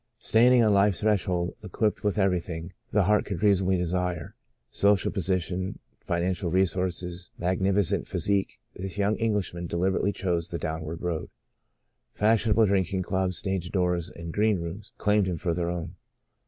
Standing on life's threshold, equipped with everything the heart could reasonably desire — social position, financial resources, mag nificent physique — this young Englishman deliberately chose the downward road. Fash ionable drinking clubs, stage doors and green rooms claimed him for their own.